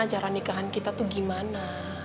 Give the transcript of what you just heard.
acara nikahan kita tuh gimana